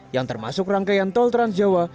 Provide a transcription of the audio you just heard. yang termasuk rangkaian tol transjawa